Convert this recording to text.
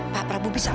pak prabu bisa maafkan